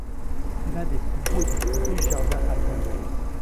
C'est l'un des plus beaux et des plus riches jardins alpins d'Europe.